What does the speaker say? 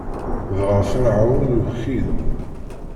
Dɣa Ferɛun yuki-d.